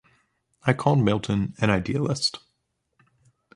I called Milton an idealist.